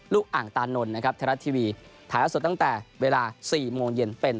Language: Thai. อ่างตานนท์นะครับไทยรัฐทีวีถ่ายละสดตั้งแต่เวลา๔โมงเย็นเป็น